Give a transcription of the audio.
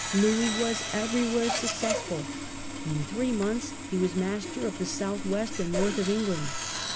Louis was everywhere successful. In three months he was master of the south west and north of England.